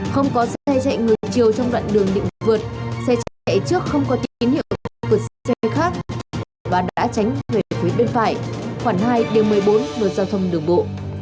không có xe chạy ngược chiều trong đoạn đường định vượt xe chạy trước không có tín hiệu của xe khác và đã tránh về phía bên phải khoảng hai đường một mươi bốn lượt giao thông đồng bộ